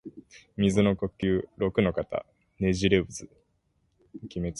水の呼吸陸ノ型ねじれ渦（ろくのかたねじれうず）